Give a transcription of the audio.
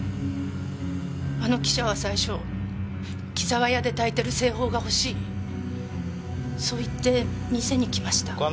あの記者は最初紀澤屋でたいてる清鳳が欲しいそう言って店に来ました。